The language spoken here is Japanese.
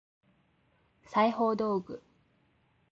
裁縫道具